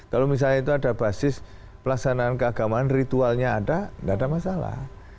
kalau misalnya itu ada basis pelaksanaan keagamaan ritualnya ada nggak ada masalah